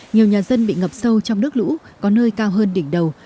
nhiều nhà dân bị ngập sâu trong nước lũ có nơi cao hơn đỉnh đầu